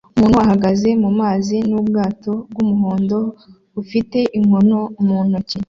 Umuntu uhagaze mumazi nubwato bwumuhondo bufite inkono mu ntoki